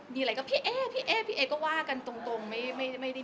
พี่แอก็ว่ากันไม่ได้มีแอพ